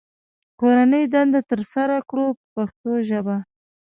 کورنۍ دنده ترسره کړو په پښتو ژبه.